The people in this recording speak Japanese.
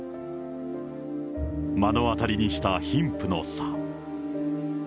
目の当たりにした貧富の差。